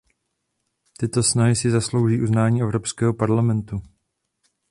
Tyto snahy si zaslouží uznání Evropského parlamentu.